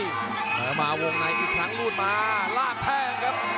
เติบขืนมาวงไหนอีกครั้งรุ่นม้ารากแท้งครับ